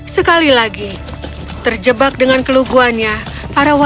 sekali lagi terjebak dengan keluguannya para warga menangkap krishna